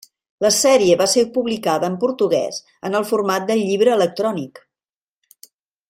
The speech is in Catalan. La sèrie va ser publicada en portuguès en el format de llibre electrònic.